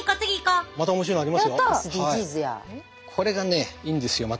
これがねいいんですよまた。